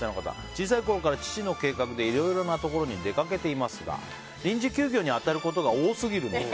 小さいころから父の計画でいろいろなところに出かけていますが臨時休業に当たることが多すぎるんです。